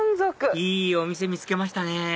いいお店見つけましたね